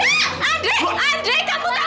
andre kamu gak boleh